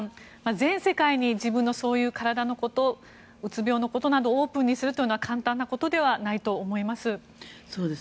全世界に自分のそういう体のことうつ病のことなどをオープンにするというのは簡単なことではないと思います。